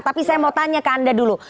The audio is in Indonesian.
tapi saya mau tanya ke anda dulu